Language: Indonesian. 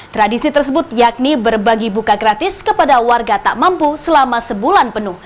tradisi tersebut yakni berbagi buka gratis kepada warga tak mampu selama sebulan penuh